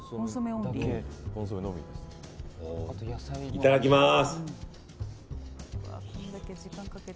いただきまーす！